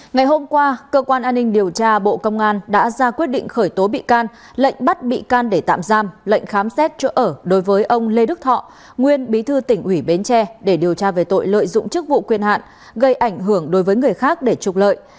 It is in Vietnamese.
ngày hôm qua cơ quan an ninh điều tra bộ công an đã ra quyết định khởi tố bị can lệnh bắt bị can để tạm giam lệnh khám xét chỗ ở đối với ông lê đức thọ nguyên bí thư tỉnh ủy bến tre để điều tra về tội lợi dụng chức vụ quyền hạn gây ảnh hưởng đối với người khác để trục lợi